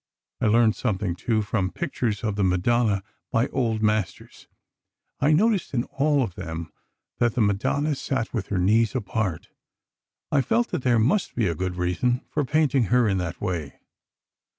I learned something, too, from pictures of the Madonna, by old masters. I noticed in all of them that the Madonna sat with her knees apart. I felt that there must be a good reason for painting her in that way."